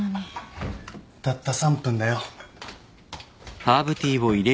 たった３分だよ。